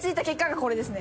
これですね。